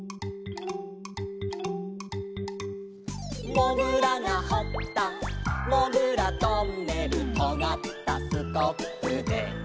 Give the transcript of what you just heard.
「もぐらがほったもぐらトンネル」「とがったスコップで」